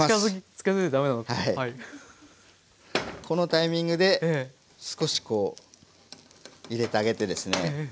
このタイミングで少しこう入れてあげてですね